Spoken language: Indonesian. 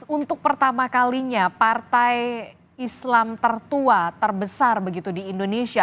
untuk pertama kalinya partai islam tertua terbesar begitu di indonesia